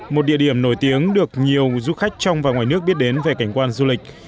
một địa điểm nổi tiếng được nhiều du khách trong và ngoài nước biết đến về cảnh quan du lịch